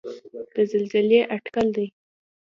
د زلزلې اټکل دی.